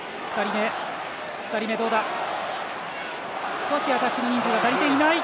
少しアタックに人数が足りていない。